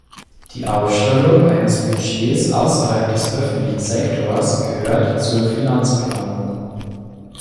Die Aufstellung eines Budgets außerhalb des öffentlichen Sektors gehört zur Finanzplanung.